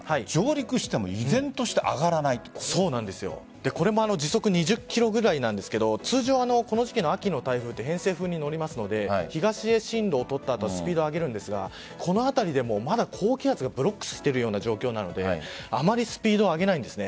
動きが上陸してもこれも時速２０キロぐらいなんですが通常、この時期の秋の台風は偏西風に乗りますので東へ進路を取った後スピードを上げるんですがこの辺りでも、まだ高気圧がブロックしているような状況なのであまりスピードを上げないんです。